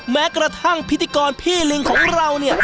แม้กระทั่งพิธีกรพี่ลิงของเราเนี่ย